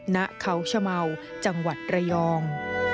ณเขาชะเมาจังหวัดระยอง